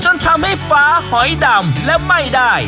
จนทำให้ฟ้าหอยดำและไม่ได้